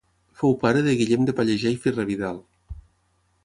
Fou pare de Guillem de Pallejà i Ferrer-Vidal.